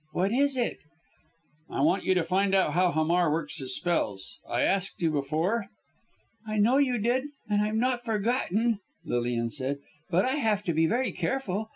"What is it?" "I want you to find out how Hamar works his spells. I asked you before?" "I know you did and I've not forgotten," Lilian said, "but I have to be very careful.